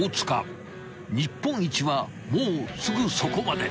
［日本一はもうすぐそこまで］